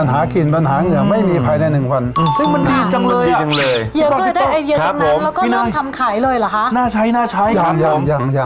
น่าใช้อย่างน้อย